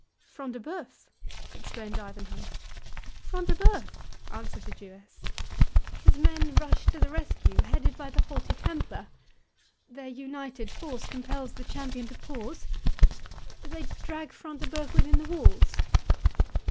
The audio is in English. "Front de Bœuf?" exclaimed Ivanhoe. "Front de Bœuf!" answered the Jewess; "his men rush to the rescue, headed by the haughty Templar—their united force compels the champion to pause—They drag Front de Bœuf within the walls."